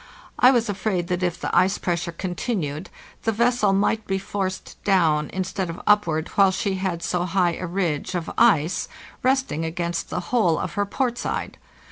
I was afraid that if the ice pressure continued the vessel might be forced down instead of upward while she had so high a ridge of ice resting against the whole of her port side.